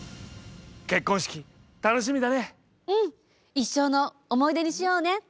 一生の思い出にしようね。